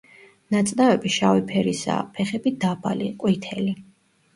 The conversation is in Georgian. ნაწნავები შავი ფერისაა; ფეხები დაბალი, ყვითელი.